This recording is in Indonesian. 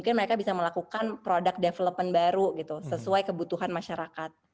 mereka bisa melakukan product development baru gitu sesuai kebutuhan masyarakat